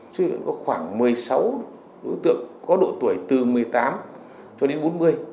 chứ có khoảng một mươi sáu đối tượng có độ tuổi từ một mươi tám cho đến bốn mươi